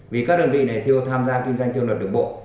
vì các đơn vị này tham gia kinh doanh theo luật được bộ